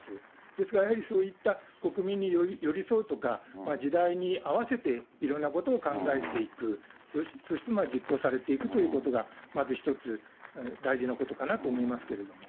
ですが、やはりそういった国民に寄り添うとか、時代に合わせていろんなことを考えていく、そして実行されていくということが、まず一つ大事なことかなと思いますけれども。